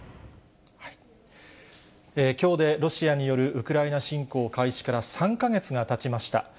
きょうでロシアによるウクライナ侵攻開始から３か月がたちました。